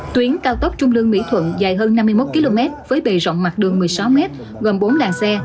tuyến cao tốc trung lương mỹ thuận dài hơn năm mươi một km với bề rộng mặt đường một mươi sáu m gồm bốn làng xe